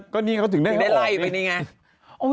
ก็เนี่ยถึงได้ไว้อีกแบบนี้ไง